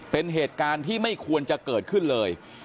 เป็นเหตุการณ์ที่ไม่ควรจะเกิดขึ้นเลย